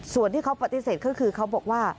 ส่วนที่เขาปฏิเสธก็คือเขาบอกว่า